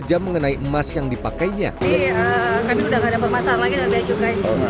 hari mengenai emas yang dipakainya tadi konfirmasi seperti apa ibu aja tanya aja